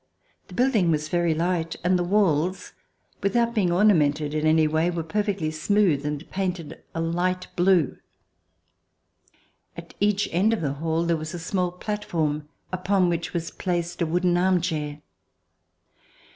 The building was very light and the walls, without being ornamented in any way, were perfectly smooth and painted a light blue. At each end of the hall there was a small platform upon which was placed a wooden arm chair.